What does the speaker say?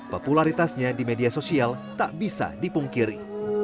popularitasnya di media sosial tak bisa dipungkiri